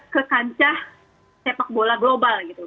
ke kancah sepak bola global gitu